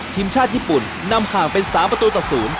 ทีมชาติญี่ปุ่นนำห่างเป็น๓ประตูต่อ๐